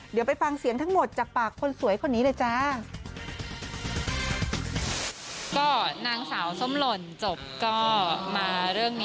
เดี๋ยวไปฟังเสียงทั้งหมดจากปากคนสวยคนนี้เลยจ้า